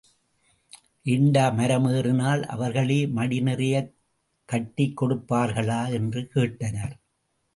ஏண்டா மரம் ஏறினால் அவர்களே மடி நிறையக் கட்டிக் கொடுப்பார்களா? என்று கேட்டனர்.